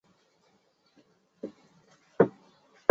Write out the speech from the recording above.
铱是地球地壳中最稀有的元素之一。